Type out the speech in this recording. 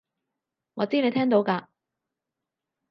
我知你聽到㗎